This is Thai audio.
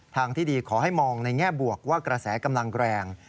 ทางที่ดีขอให้มองในแง่บวกว่ากระแสกำลังแรง